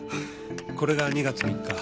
これが２月３日。